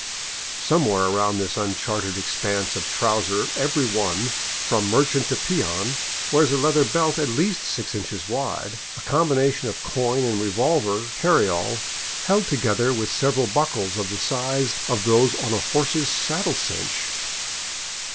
Somewhere around this uncharted ex panse of trouser every one, from merchant to peon, wears a leather belt at least six inches wide, a combination of coin and revolver carry 603 VAGABONDING DOWN THE ANDES all, held together with several buckles of the size of those on a horse's saddle cinch.